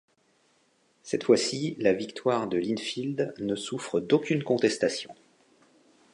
Cette fois-ci la victoire de Linfield ne souffre d’aucune contestation.